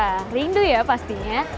nah rindu ya pastinya